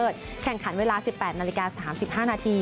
ไปชิงชนะเลิศแข่งขันเวลา๑๘น๓๕น